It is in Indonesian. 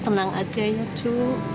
kamu tenang aja ya cuy